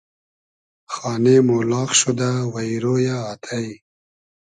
خانې مۉ لاغ شودۂ وݷرۉ یۂ آتݷ